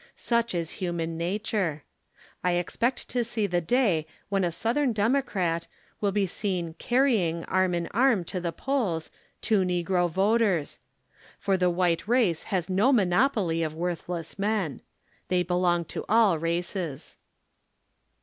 Such is human nature. I expect to see the day when a Southern Democrat, will be seen " carrying " arm in arm to the polls, two negro voters. For the white race has no monopoly of worthless men. They belong to all races.